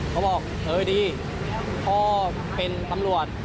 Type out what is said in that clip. เขาบอกเคยดีพ่อเป็นตำรวจ